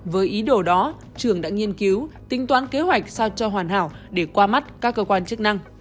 với ý đồ đó trường đã nghiên cứu tính toán kế hoạch sao cho hoàn hảo để qua mắt các cơ quan chức năng